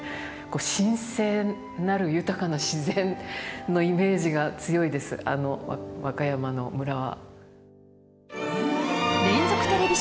神聖なる豊かな自然のイメージが強いです和歌山の村は。